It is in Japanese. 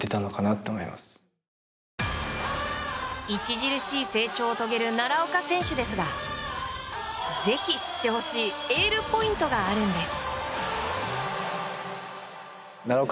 著しい成長を遂げる奈良岡選手ですがぜひ知ってほしいエールポイントがあるんです。